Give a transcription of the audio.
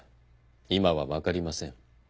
今は分かりません。